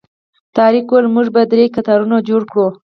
طارق وویل موږ به درې کتارونه جوړ کړو.